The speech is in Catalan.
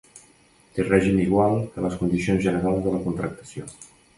Té règim igual que les Condicions Generals de la Contractació.